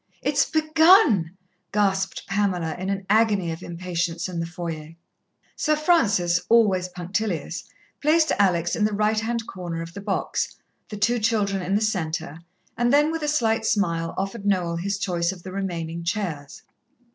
"It's begun," gasped Pamela in an agony of impatience in the foyer. Sir Francis, always punctilious, placed Alex in the right hand corner of the box, the two children in the centre, and then, with a slight smile, offered Noel his choice of the remaining chairs.